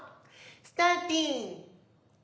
スターティン！